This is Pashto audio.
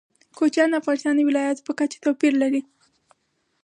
کوچیان د افغانستان د ولایاتو په کچه توپیر لري.